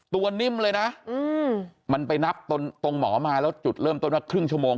นิ่มเลยนะมันไปนับตรงหมอมาแล้วจุดเริ่มต้นว่าครึ่งชั่วโมง